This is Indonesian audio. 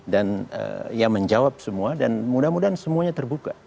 dan ya menjawab semua dan mudah mudahan semuanya terbuka